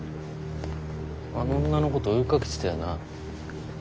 あの女のこと追いかけてたよな？